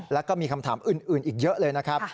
แล้วก็มีคำถามอื่นอีกเยอะเลยนะครับ